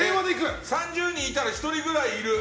３０人いたら１人ぐらいいる。